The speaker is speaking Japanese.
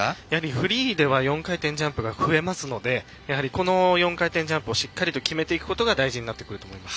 フリーでは４回転ジャンプ増えますので、やはりこの４回転ジャンプをしっかりと決めていくことが大事だと思います。